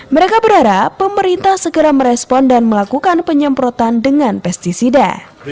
mereka berharap pemerintah segera merespon dan melakukan penyemprotan dengan pesticida